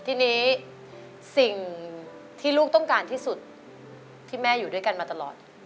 ทีนี้สิ่งที่ลูกต้องการที่สุดที่แม่อยู่ด้วยกันมาตลอด